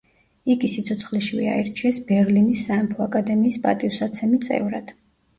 იგი სიცოცხლეშივე აირჩიეს ბერლინის სამეფო აკადემიის პატივსაცემი წევრად.